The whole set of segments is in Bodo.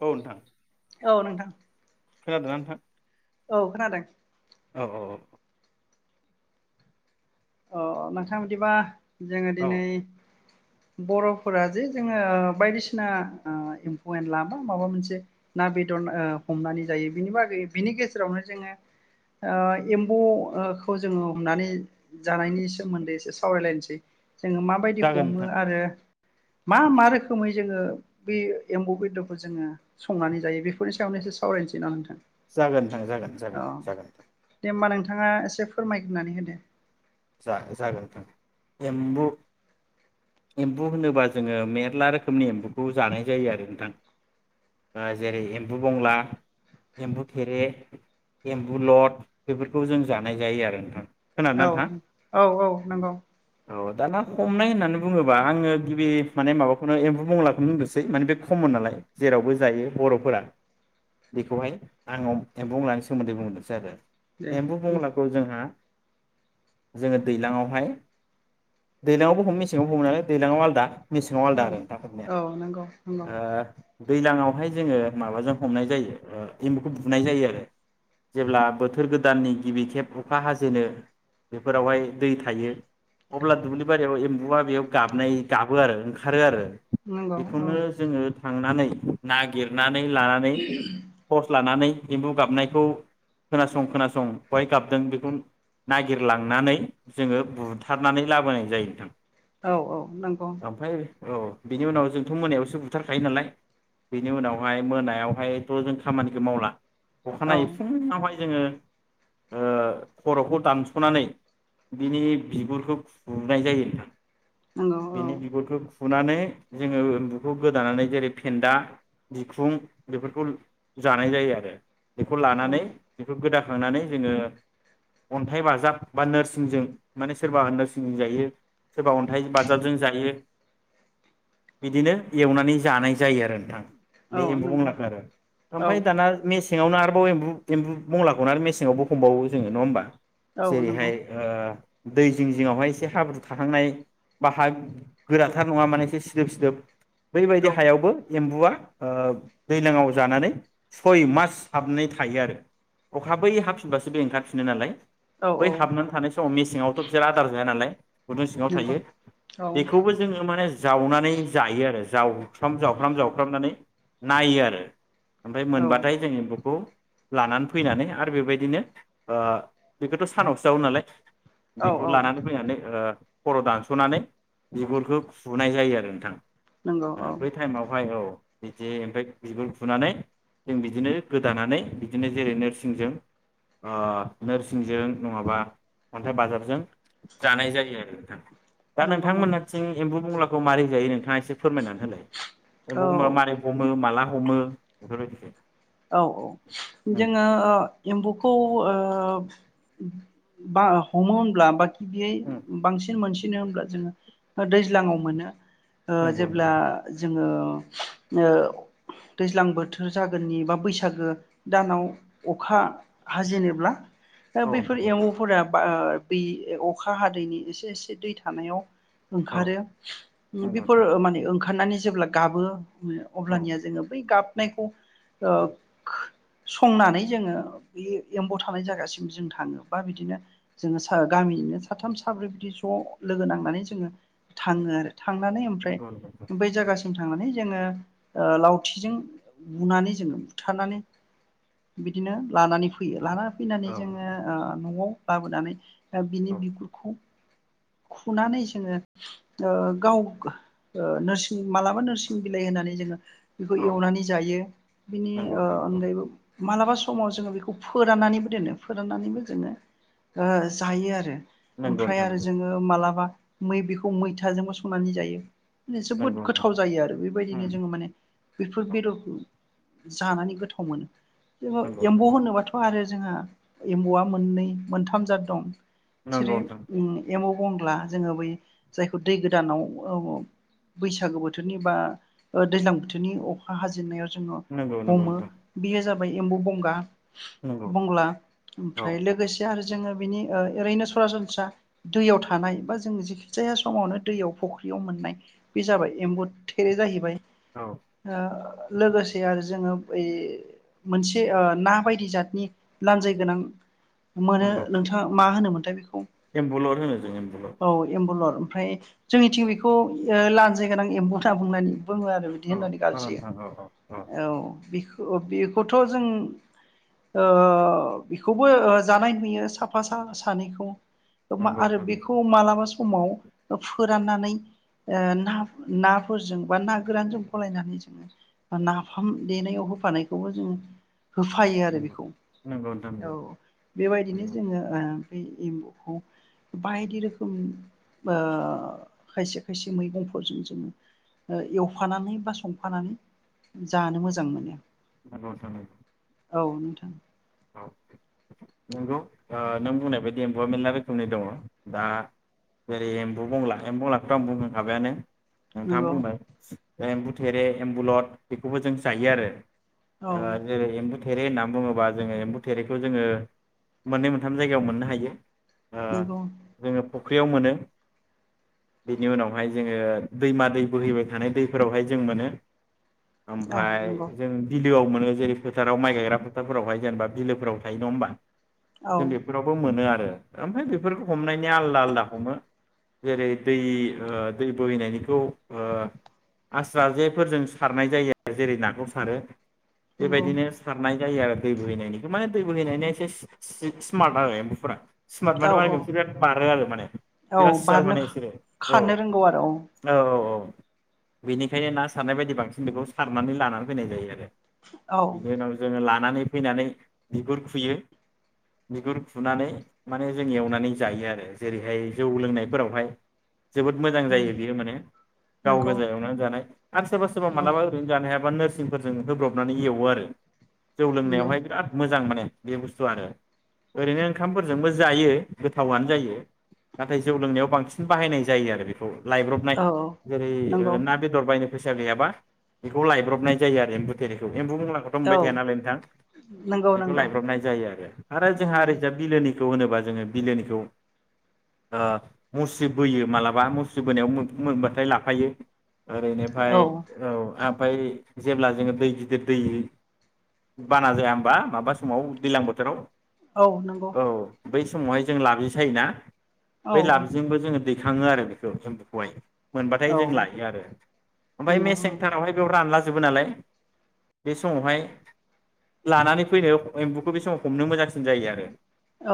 औ औ नोंथां। खोनादों ना नोंथां? औ खोनादों। औ अ नोंथां बिदिबा जोङो औ दिनै बर'फोरा जे जोङो बायदिसिना ओ एम्फौ एनला बा माबा मोनसे ना बेदर ओ हमनानै जायो बिनि बागै बिनि गेजेरावनो जोङो ओ एम्बौ ओ खौ जोङो हमनानै जानायनि सोमोन्दै एसे सावरायलायनोसै। जोङो माबायदि जागोन हमो नोंथां आरो मा मा रोखोमै जोङो बे एम्बौ बेदरखौ जोङो संनानै जायो बेफोरनि सायावनो एसे सावरायनोसै ना नोंथां। जागोनोंथां जागोन-जागोन-जागोन। थांङा एसे फोरमायग्रोनानै होदो। जा जागोन नोंथां एम्बु एम्बु होनोबा जोङो मेर्ला रोखोमनि एम्बुखौ जानाय जायो आरो नोंथां जेरै एम्बु बंला, एम्बु थेरे, एम्बु लद, बेफोरखौ जों जानाय जायो आरो नोंथां। खोनादों औ नोंथाङा? औ औ नंगौ। औ दाना हमनाय होननानै बुङोबा आङो गिबि माने माबाखौनो एम्बौ मंलाखौनो बुंदोंसै माने बे कमन नालाय जेरावबो जायो बर'फोरा बेखौहाय आं एम्बौ मंलानि सोमोन्दै बुंहरोसै आरो। दे एम्बु बंलाखौ जोंहा जोङो दैलांङावहाय दैलांङावबो हमो मेसेङाव हमो नालाय दैलांङाव आलदा मेसेङाव औ आलादा आरो नोंथां औ हमनाया नंगौ नंगौ ओ दैलांवहाय जोङो माबाजों हमनाय जायो ओ एम्बुखौ बुनाय जायो आरो जेब्ला बोथोर गोदाननि गिबि खेब अखा हाजेनो बेफोरावहाय दै थायो अब्ला दुब्लि बारियाव एम्बुआ बेयाव गाबनाय गाबो आरो ओंखारो आरो नंगौ औ बेखौनो जोङो थांनानै नागिर नानै लानानै थर्स लानानै एम्बु गाबनायखौ खोनासं खोनासं बेहाय गाबदों बेखौ नागि गिरलांनानै जोङो बुथारनानै लाबोनाय जायो नोंथां। औ औ नंगौ ओमफ्राय औ बिनि उनाव जोंथ' मोनायावसो बुथारखायो नालाय बिनि उनावहाय मोनायावहायथ' जों खामानिखौ मावला। औ अखानायै फुङावहाय जोङो ओ खर'खौ दानस' ख'नानै बिनि बिगुरखौ फुनाय जायो नोंथां। नंगौ औ बिनि बिगुरखो फुनानै जोङो एम्बुखौ गोदानानै जेरै फेन्दा बिखुं बेफोरखौ जानाय जायो आरो। बेखौ लानानै बेखौ गोदा नानै जोंओ अन्थाइ बाजाब बा नोरसिंजों माने सोरबा नोरसिंजों जायो सोरबा अन्थाइ बाजाबजों जायो बिदिनो एवनानै जानाय जायो आरो नोंथां। औ बे एम्बु नंगौ बुंलाखो आरो औ ओमफाय दाना मेस मेङावनो आरोबाव ए्म्बु एम्बु बंलाखौनो आरो मेसेङावबो हमबावो नङा होमबा? औ नंगौ औ नंगौ जेरैहाय ओ दै जिं जिंङावहाय एसे हाब्रु थाखांनाय बा हा गोराथार नंङा माने एसे सिदोब सिदोब औ बैबायदि हायावबो एम्बुआ ओ दैज्लांङाव जानानै सय मास हाबनानै थायो आरो अख बै हाबफिनबासो बे ओंखारफिनो नालाय औ बै हाबनानै थानायसै द मेसेंयावथ' बिसोर आदार जाया नालाय गुदुं सिंङाव नंगौ थायो बेखौबो जोंङो माने जावनानै जायो आरो जावफ्राम जावफ्राम जावफ्रामनानै नाययो आरो ओमफ्राय मोनबाथाय जोंङो एमबुखौ लानानै फैनानै आरो बेबायदिनो बेखौथ' सानावसो जागौ नालाय बेखौ औ लानानै फैनानै खर' दानस'नानै बिगुरखौ सुनाय जायो आरो नोंथां बै टाइमावहाय औ बिदि ओमफ्राय बिगुर फुनानै जों बिदिनो गोदानानै बिदिनो जेरै नोरसिंजों नोर सिंजों नंङाबा अन्थाइ बाजारजों जानाय जायो आरो नोंथां दा नंगौ नंगौ नोंथांमोनहाथिं एम्बु बंग्लाखौ खौ मारैजायो नोंथांङा एसे फोरमायनानै होलाय औ एम्फौखबा मारै हमो माला हमो बेफोरबायदिख औ औ जोंङो ओ एम्बौखौ ओ बा हमनब्ला बा बियै उम बांसिन मोनसि नो होनब्ला जोंङो दैज्लांङाव मोनो ओ नंगौ जेब्ला नंगौ जोंङो ओ दैज्लां बोथोर जागोननिबा बैसागो दानाव अखा हाजेनोब्ला दा औ बैफोर नोंथां औ एम्बौफोरा बा दै अखा हादैनि एसे एसे दै थानायाव औ ओंखारो नंगौ बेफोर नोंथां माने ओं हाननानै जेब्ला गाबो औ अब्लानिया जोंङो बै गाब नायखौ संनानै जोङो बे एम्बौ थानाय जायगासिम जों थांङो बा बिदिनो जोंङो स गामिनिनो साथाम साब्रै बिदि ज' लोगो नांनानै जोंङो थांङो आरो थांनानै ओमफ्राय नंगौ नोंथां बै जायगासिम थांनानै जोंङो लावथिजों बुनानै जो बुथारनानै बिदिनो लानानै फैयो लाना फैनानै औ जोङो न'आव लाबोनानै दा बिनि औ बिगुरखौ खुनानै जोङो गाव नोरसिं मालाबा नोरसिं बिलाइ होनानै जोङो बेखौ औ एवनानै जायो बिनि नंगौ नोंथां अनगायैबो मालाबा समाव जोङो बेखौ फोराननानैबो दोनो फोराननानैबो जोङो जायो आरो नंगौ नंगौ ओमफ्राय नोंथां आरो नंगौ जोङो मालाबा मै बेखौ मैथाजोंबो संनानै जायो जोबोद नंगौ नोंथां गोथाव जायो आरो बेबायदिनो उम जोङो माने बेफोर बेदरखौ जानानै गोथाव मोनो जेन नंगौ एम्बौ होनोबाथ' आरो जोंहा एम्बौआ मोननै मोनथाम जाद दं जेरै नोंथां उम एम बंग्ला जोङो बै जायखौ दै गोदानाव बैसागो बोथोरनि बा दैज्लां बोथोरनि अखा हाजेननायाव जों नंगौ नंगौ नोंथां ओमफ्राय एम्बु बंगा नंगौ बंग्ला औ ओमफ्राय लोगोसे आरो जोङो बिनि ओ ओरैनो सरासनस्रा दैयाव थानाय बा जों जिखि जाया समावनो दैयाव फुख्रियाव मोननाय बे जाबाय एम्बु थेरे जाहैबाय। औ ओ लोगोसे आरो जोङो बै मोनसे ना बायदि जातनि लान्जाय गोनां मोनो नंगौ नोंथाङा मा होनोमोन? दा बिखौ एम्बुलर होनो जों एम्बुलर एम्बुलर ओमफ्राय जोंनिथिं बेखौ ओ लानजायगोनां एम्बौ होना बुंनानै बुङो आरो बिदि औ होननानै औ गाज्रियो। नोंथां औ औ औ औ बेखौथ' जों ओ बेखौबो जानाय नुयो साफा सा सानैखौ नंगौ आरो नोंथां नंगौ बेखौ मालाबा सम समाव फोराननानै ओ ना नाफोरजों बा ना गोरानजों फलायनानै जोङो बा नाफाम देनायाव होफानायखौबो जों होफायो आरो नंगौ बेखौ नंगौ नोंथां औ नंगौ बेबायदिनो नंगौ जोङो ओ बे एम्बुखौ बायदि रोखोम ओ खायसे खायसे मैगंफोरजों जोङो एवफानानै बा संफानानै जानो मोजां मोनो। नंगौ नोंथां नंगौ औ नोंथां औ नंगौ ओ नों बुंनाय बायदि एम्बुआ मेरला रोखोमनि दङ दा जेरै एम्बु बंला एम्ब बंलाखौथ' आं बुंखाबायानो। नोंथाङा नंगौ बुंबाय एम्बु थेरे एम्बुलद बेखौबो जों जायो आरो। औ ओ जेरै एम्बु थे रे होना बुंङोबा जोंङो एम्बु थेरेखौ जोंङो मोननै मोनथाम जायगायाव मोननो हायो। ओ नंगौ जोङो फुख्रियाव मोनो बेनि उनावहाय जोङो दैमा दै बोहैबाय थानाय दैफोरावहाय जों मोनो। औ ओमफाय नंगौ जों बि लोआव मोनो जेरै फोथाराव माइ गायग्रा फोथाराव जेनेबा बिलोफोराव थायो नङा होनबा। औ जों बेफोरावबो मोनो आ ओमफाय बेफोरखौ हमनायनि आलदा आलदा हमो जेरै दै दै बोहैनायनिखौ आस्रा जेफोरजों सारनाय जायो आरो जेरै नाखौ सारो। नंगौ बेबायदिनो सारनाय जायो आरो दै बोहैनायनि माने दै बोहैनायनि एसे सि स्मार्ट नालाय एम्बुफोरा। स्मार्ट औ माने औ बिराद बारो आरो माने औ बिराद सियान बारनो माने इसोरो औ खारनो रोंगौ आरो औ औ। बेनिखायनो ना सारनाय बायदि बांसिन बेखौ सारनानै लानानै फैनाय जायो आरो। बिनि जोंङो ला लानानै फैनानै बिगुर खुयो बिगुर खुनानै माने जों एवनानै जायो आरो जेरैहाय जौ लोंनायफोरावहाय जोबोद मोजां औ जायो बियो माने गाव नंगौ गोजा एवना जानो। आरो सोरबा सोरबा औ मालाबा ओरैनो जानो हायाबा नोर सिंफोरजों होब्रबनानै एवो आरो। जौ नंगौ लोंनायावहाय बिराद मोजां माने। बे बु स्थू आरो ओरैनो ओंखामफोरजोंबो जायो गोथावआनो जायो नाथाय जौ लोंनायाव बांसिन बाहायनाय जायो आरो बे लायब्रबनाय औ जेरै नंगौ ना बेदर बायनो फैसा गैयाबा बेखौ लायब्रबनाय जायो आरो एम्बुथेरेखौ एम्बु बंलाखौथ' मोनबाय औ थाया नालाय नोंथां नंगौ बेखौ नंगौ लायब्रबनाय। जायो आरो आरो औ जोंहा ओैरैजाय बिलोनि होनोबा जोङो बिलोनिखौ मुस बोयो मालाबा मुस्रि बोनायाव मोनबाथाय लाफायो। ओरैनिफ्राय औ। ओमफफ्राय जेब्ला जोङो दै गिदिर दै बाना जाया होमबा माबा समाव दैल्लां बोथोराव औ नंगौ। औ बै समावहाय जों लाब जे सायोना। औ बै औ लाबजे जोंबो जोङो दैखाङो आरो बेखौ जों बेखौहाय मोनबाथाय जों औ लायो आरो ओमफ्राय नंगौ मेसें थारावहाय बेयाव रानला जोबो नालाय बे समावहाय लानानै फैनो एम्बु बे समाव हमनो मोजांसिन जायो आरो।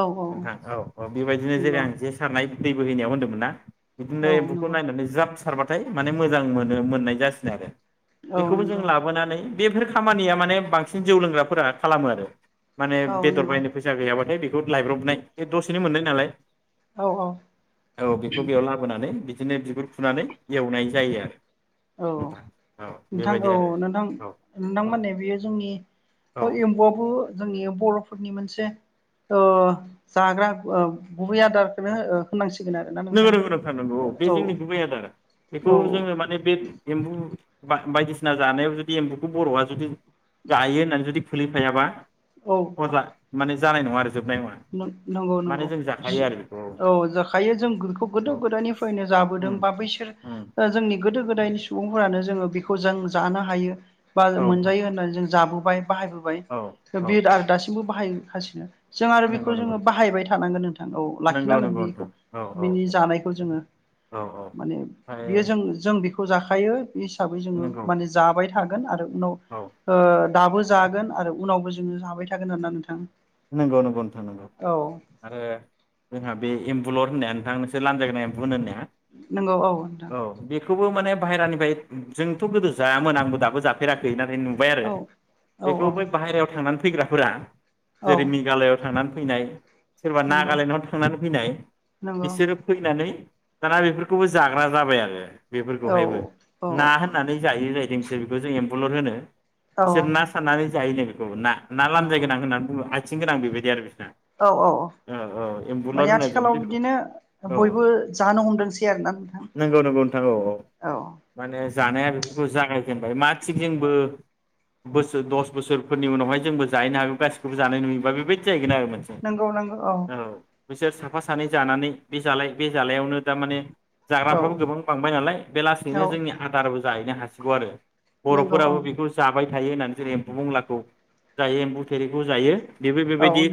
औ औ औ बेबायदिनो जेरै नंगौ आं जे सारनाय दै बोहैनायाव होनदोंमोन ना? बिदिनो औ एम्बुखौ नंगौ नायनानै जाब थारबाथाय माने मोजां मोनो मोननाय जासिनो आरो। औ बेखौबो जों नंगौ लाबोनानै बेफोर खामानिया माने बांसिन जौ लोंग्राफोरा खालामो आरो। माने औ बेदर नंगौ बायनो फैसा गैयाबाथाय बे दद लायब्रबनाय बे दसेनो मोननाय नालाय। औ औ औ। बिदिनो बिगुर फुनानै एवनाय जायो आरो। औ नोंथां औ नोंथां बेबायदि औ आरो नोंथां औ नोंथां औ मोननि बेयो जोंनि औ एम्बुआबो जोंनि बर'फोरनि मोनसे ओ जाग्रा ओ गुबै आदारखौनो होनांसिग नों रोंगोर थारनांगौ औ बे जोंनि गुबै आदारा बेखौ औ जोङो माने बे एम्बु बायदिसिना जानायाव जुदि एम्बुखौ बर'आ जुदि जायो होननानै जुदि सोलिफायाबा औ अजा। माने जानाय नङा आरो जोबनाय नङा नंगौ माने नंगौ जों जाखायो आरो बेखौ औ जाखायो जों [inaudible] गोदो औ गोदायनिफ्रायनो जाबोदों उम बा बैसोर उम ओ जोंनि गोदो गोदायनि सुबुंफोरानो जोङो बेखौ जों जानो हायो। बा औ नोंथां मोनजायो होननानै जों जाबो बाहायबोबाय औ औ बे आरो दासिमबो बाहायगासिनो नंगौ नंगौ जोंङो बाहायबाय थानांगोन नोंथां औ नंगौ लाखिनांगोन नंगौ बेखौ नोंथां औ औ बेनि जानायखौ जोङो औ माने बेयो ओमफ्राय जों खौ जाखायो बे हिसाबै जोङो नंगौ माने जाबाय थादों आरो उनाव औ ओ दाबो जागोन आरो उनावबो जोङो जाबाय थागोन होनना नोंथां नंगौ नंगौ जों औ होननाया नोंथां नोंसोर लानजाय गोनां एम्बु होनो नाया नोंगौ औ नोंथां बो माने बायेरानिफ्राय जोंथ' गोदो जायामोन आंबो दाबो जाफेराखै नुबाय आरो औ औ बेखौ औ बै बाहेरायाव थांनानै फैग्राफोरा जेरै औ मेघालयआव थांनान फैनाय सोरबा नंगौ नागालेण्डआवनो थांनानै फैनाय नंगौ बिसोरो फैनानै दाना बेफोरखौबो जाग्रा जाबाय आङो। औ बेफोरखौहायबो औ ना होननानै जायो जाहैदों बिसोर जे बेखौ जों एम्बुलर होनो। औ बिसोर ना साननानै जायोनो। ना ना लानजायगोनां होननानै। आथिं गोनां बेबायदि आरो बिना औ औ एम्बुलार माने होन जों आथिखालाव दैखौ बिदिनो औ बयबो जानो हमदोंसै आरोना नोंथां नंगौ नंगौ नोंथां औ औ माने ज जानाया बेफोरखौ जागायजेनबाय मा थिग जोंबो बोसोर दस बोसोरफोरनि उनावहाय जोंबो जाहैनो हागौ गासिबो। बेखौबो जानाय नुयोबा बेबायदि जाहैगोन आरो। नंगौ नंगौ औ। बिसोर साफा सानै जानानै बे जालाय बे जालायावनो दा माने औ जाग्राफ्राबो गोबां बांबाय नालाय बे औ लासैनो जोंनि आदार जाहैनो हासिगौ आरो। नंगौ औ बर'फोराबो बेखौ जाबाय थायो होननानै जों एम्बु बंग्लाखौ जायो एम्बु थेरे खौ जायो। बेबो औ बेबायदि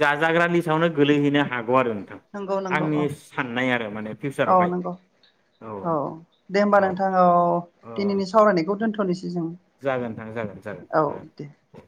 जाजाग्रानि नो गोलैहैनो हा नंगौ नंगौ औ आरो माने [inaudible] औ फिउचारावहाय नंगौ औ दे होमबा नोंथां औ औ दिनैनि सावरायनायखौ दोन्थ'निसै जों। जागोन नोंथां जागोन जागोन अ दे।